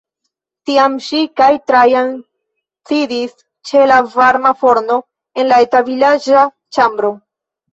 Tiam ŝi kaj Trajan sidis ĉe la varma forno en la eta vilaĝa ĉambro.